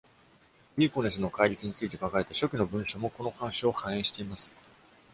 deaconesses の戒律について書かれた初期の文書も、この慣習を反映しています。